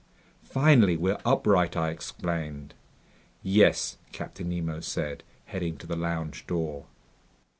"Finally, we're upright!" I exclaimed. "Yes," Captain Nemo said, heading to the lounge door.